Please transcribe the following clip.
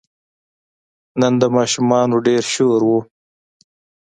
نن د ماشومانو ډېر شور و.